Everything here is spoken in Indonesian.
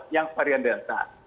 yang varian delta